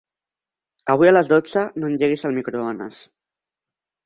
Avui a les dotze no engeguis el microones.